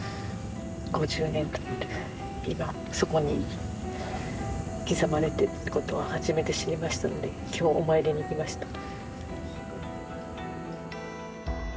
５０年たって今そこに刻まれてるってことを初めて知りましたので今日お参りに来ました。